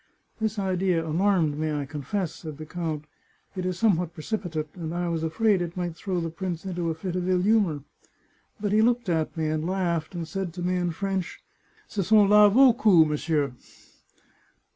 " This idea alarmed me, I confess," said the count, " It is somewhat precipitate, and I was afraid it might throw the prince into a fit of ill humour. But he looked at me and laughed, and said to me in French, * Ce sont Id, vos coups, monsieur!